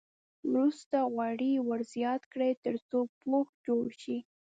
وروسته غوړي ور زیات کړئ تر څو پوښ جوړ شي.